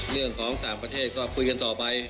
เรื่องของต่างประเทศก็คุยกันต่อไป